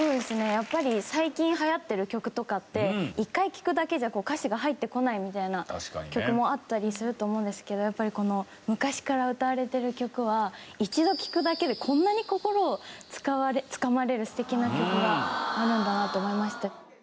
やっぱり最近流行ってる曲とかって１回聴くだけじゃ歌詞が入ってこないみたいな曲もあったりすると思うんですけどやっぱりこの昔から歌われている曲は一度聴くだけでこんなに心をつかまれる素敵な曲があるんだなと思いました。